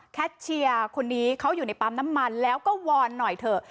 เชียร์คนนี้เขาอยู่ในปั๊มน้ำมันแล้วก็วอนหน่อยเถอะ